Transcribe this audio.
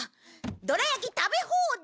「ドラ焼き食べ放題」！